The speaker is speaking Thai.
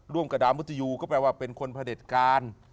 กับดาวมุติยูก็แปลว่าเป็นคนพระเด็จการ